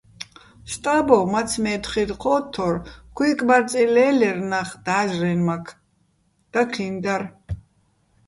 სტაბო, მაცმე́ თხირ ჴო́თთორ, ქუ́ჲკბარწიჼ ლე́ლერ ნახ და́ჟრენმაქ, დაქიჼ დარ.